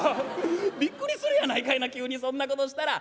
びっくりするやないかいな急にそんなことしたら。